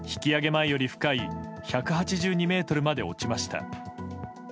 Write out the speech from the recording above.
前より深い１８２ｍまで落ちました。